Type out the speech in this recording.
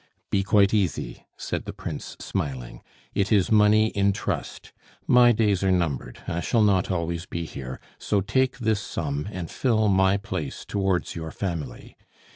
"Be quite easy," said the Prince, smiling; "it is money in trust. My days are numbered; I shall not always be here; so take this sum, and fill my place towards your family.